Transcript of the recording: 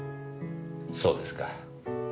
そうですか。